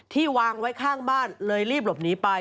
วางไว้ข้างบ้านเลยรีบหลบหนีไป